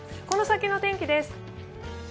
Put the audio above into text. この先の天気です。